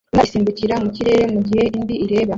Imbwa isimbukira mu kirere mu gihe indi ireba